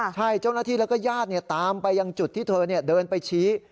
ใช่เจ้าหน้าที่แล้วก็ญาติตามไปยังจุดที่เธอเดินไปชี้